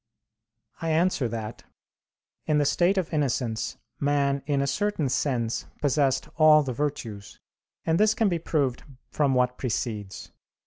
I answer that, in the state of innocence man in a certain sense possessed all the virtues; and this can be proved from what precedes.